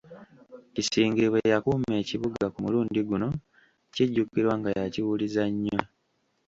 Kisingiri bwe yakuuma Ekibuga ku mulundi guno kijjukirwa nga yakiwuliza nnyo.